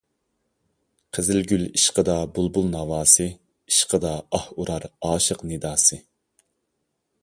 قىزىلگۈل ئىشقىدا بۇلبۇل ناۋاسى، ئىشقىدا ئاھ ئۇرار ئاشىق نىداسى.